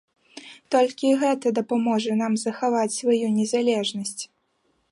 Толькі гэта дапаможа нам захаваць сваю незалежнасць.